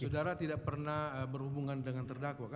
saudara tidak pernah berhubungan dengan terdakwa